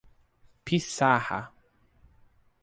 Piçarra